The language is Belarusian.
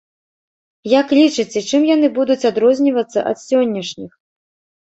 Як лічыце, чым яны будуць адрознівацца ад сённяшніх?